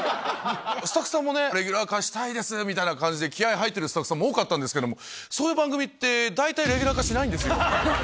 スタッフさんも「レギュラー化したいです」みたいな感じで気合入ってるスタッフさんも多かったんですけどもそういう番組って大体。